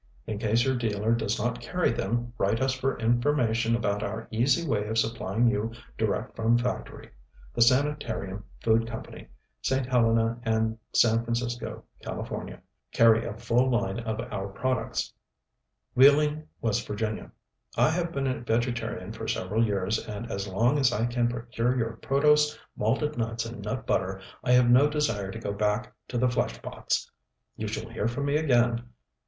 In case your dealer does not carry them, write us for information about our "easy way of supplying you direct from factory." The Sanitarium Food Co., St. Helena and San Francisco, Cal., carry a full line of our products. Wheeling, W. Va. I have been a vegetarian for several years, and as long as I can procure your Protose, Malted Nuts and Nut Butter, I have no desire to go back to the flesh pots. You shall hear from me again.